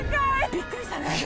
びっくりしたねでも。